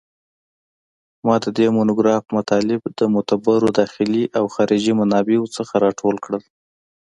ما د دې مونوګراف مطالب د معتبرو داخلي او خارجي منابعو څخه راټول کړل